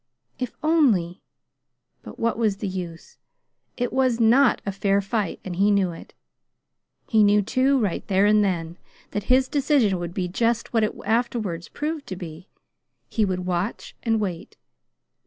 If only But what was the use? It was NOT a fair fight, and he knew it. He knew, too, right there and then, that his decision would be just what it afterwards proved to be: he would watch and wait.